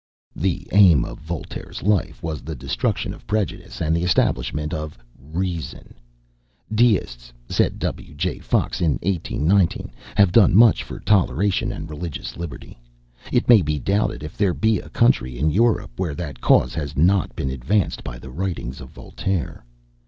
The aim of Voltaire's life was the destruction of prejudice and the establishment of Reason. "Deists," said W. J. Fox in 1819, "have done much for toleration and religious liberty. It may be doubted if there be a country in Europe, where that cause has not been advanced by the writings of Voltaire."